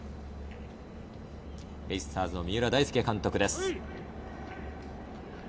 ベイスターズの三浦大輔監督です。